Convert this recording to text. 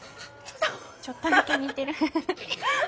ちょっとだけ似てる。